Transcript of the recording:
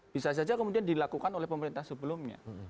bisa saja kemudian dilakukan oleh pemerintah sebelumnya